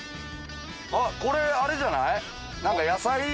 あっこれあれじゃない？